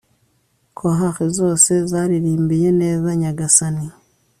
chorales zose zaririmbiye neza nyagasani